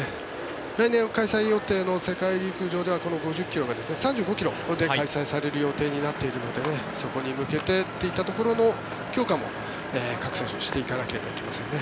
来年開催予定の世界陸上ではこの５０ｋｍが３５ｋｍで開催される予定になっているのでそこに向けてというところの強化も各選手していかなければいけませんね。